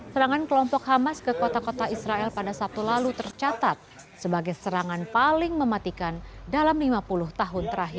serangan kelompok hamas ke kota kota israel pada sabtu lalu tercatat sebagai serangan paling mematikan dalam lima puluh tahun terakhir